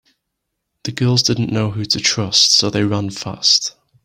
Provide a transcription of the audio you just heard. The girls didn’t know who to trust so they ran fast.